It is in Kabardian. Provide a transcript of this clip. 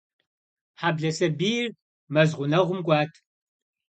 Хьэблэ сабийр мэз гъунэгъум кӀуат.